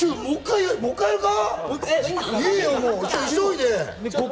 もう１回やるか？